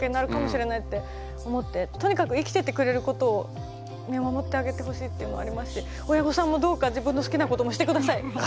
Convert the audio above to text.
とにかく生きててくれることを見守ってあげてほしいっていうのはありますし親御さんもどうか自分の好きなこともして下さいほんとに。